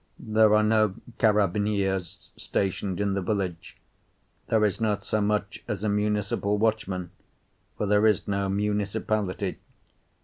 There are no carabineers stationed in the village; there is not so much as a municipal watchman, for there is no municipality.